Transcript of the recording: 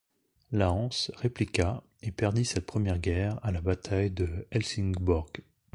La Hanse répliqua et perdit cette première guerre à la bataille de Helsingborg.